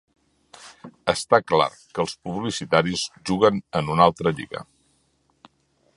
Està clar que els publicitaris juguen en una altra lliga.